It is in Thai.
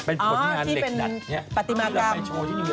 เป็นผลงานเหล็กดัดเนี่ย